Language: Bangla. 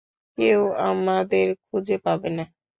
কেউ আমাদের খুঁজে পাবে না।